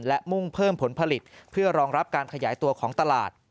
และมุ่งเพิ่มผลผลิตเพื่อรองรับการขยายตัวของตลาด